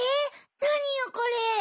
なによこれ！